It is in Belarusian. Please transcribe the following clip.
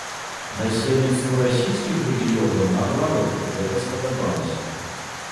Насельніцтву расійскіх рэгіёнаў, наадварот, гэта спадабалася.